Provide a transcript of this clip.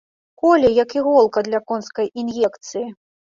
Коле, як іголка для конскай ін'екцыі.